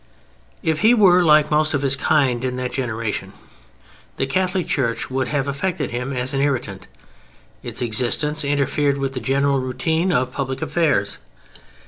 If he were like most of his kind in that generation the Catholic Church would have affected him as an irritant; its existence interfered with the general routine of public affairs.